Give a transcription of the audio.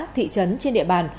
thị trấn trên địa bàn